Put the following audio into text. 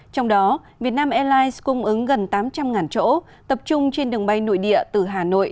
trong đó vietnam airlines cung ứng gần tám trăm linh chỗ tập trung trên đường bay nội địa từ hà nội